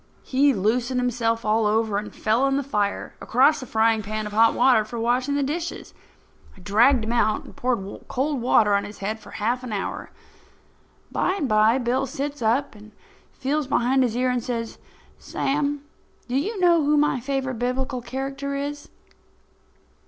He loosened himself all over and fell in the fire across the frying pan of hot water for washing the dishes. I dragged him out and poured cold water on his head for half an hour. By and by, Bill sits up and feels behind his ear and says: "Sam, do you know who my favourite Biblical character is?"